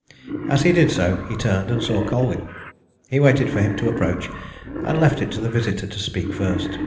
As he did so, he turned, and saw Colwyn. He waited for him to approach, and left it to the visitor to speak first.